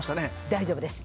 大丈夫です。